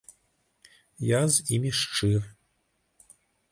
Я з імі шчыры.